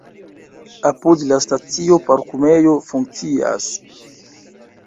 Apud la stacio parkumejo funkcias.